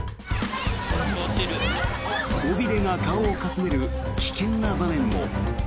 尾びれが顔をかすめる危険な場面も。